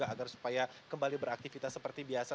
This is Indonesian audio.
agar supaya kembali beraktivitas seperti biasa